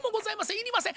いりません。